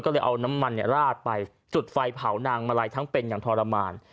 ก็เลยเอาน้ำมันราดไปจุดไฟเผานางมาลัยทั้งเป็นอย่างทรมาน